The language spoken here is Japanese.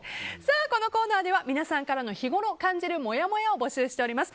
このコーナーでは皆さんからの日ごろ感じるもやもやを募集しています。